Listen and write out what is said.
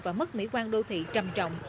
và mất mỹ quan đô thị trầm trọng